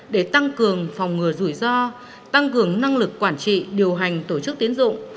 để tăng cường phòng ngừa rủi ro tăng cường năng lực quản trị điều hành tổ chức tiến dụng